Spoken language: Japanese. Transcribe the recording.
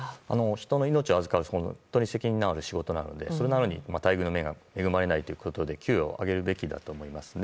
人の命を預かる本当に責任のある仕事なのでそれなのに待遇に恵まれないということで給与を上げるべきだと思いますね。